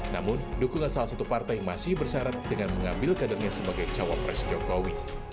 namun dukungan salah satu partai masih bersyarat dengan mengambil kadernya sebagai cawapres jokowi